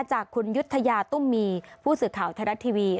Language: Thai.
จากคุณยุธยาตุ้มมีผู้สื่อข่าวไทยรัฐทีวี